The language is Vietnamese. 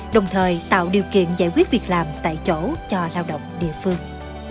đồng thời tạo điều kiện giải quyết việc làm tại chỗ cho lao động địa phương